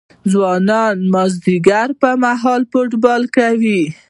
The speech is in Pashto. ځوانان مازدیګر مهال فوټبال کوي.